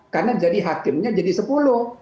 karena jadi hakimnya jadi sepuluh